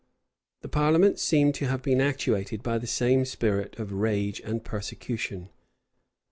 [] The parliament seem to have been actuated by the same spirit of rage and persecution.